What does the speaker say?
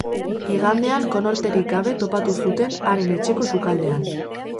Igandean konorterik gabe topatu zuten haren etxeko sukaldean.